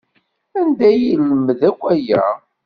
Anda ay yelmed akk aya?